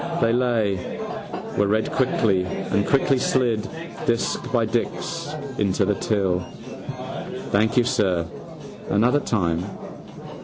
They lay, were read quickly and quickly slid, disc by disc, into the till. —Thank you, sir. Another time.